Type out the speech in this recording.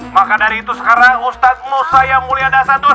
maka dari itu sekarang ustadz musa yang mulia dasat